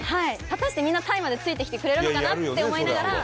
果たしてみんなタイまでついてきてくれるのかなって思いながら。